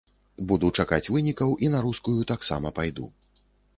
Буду чакаць вынікаў і на рускую таксама пайду.